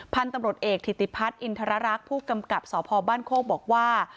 พันธุ์ตำรวจเอกถิติพัฒน์อินทรรักษ์ผู้กำกับสพบ้านโคกบอกว่า